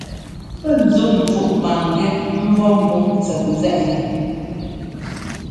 Pɛ́ ńzuŋ pfúk maŋgɛ́ ḿbɔ́ mbúŋ tsɛt nzɛ́ꞌ yɛ.